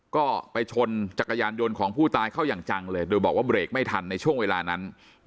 ก็ไปชนจักรยานยนต์ของผู้ตายเข้าอย่างจังเลยโดยบอกว่าเบรกไม่ทันในช่วงเวลานั้น